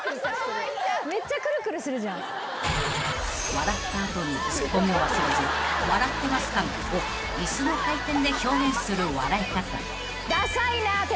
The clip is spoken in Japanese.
［笑った後にツッコミを忘れず笑ってます感を椅子の回転で表現する笑い方］